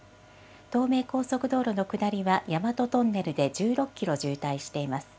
東名高速道路の下りは大和トンネルで１６キロ渋滞しています。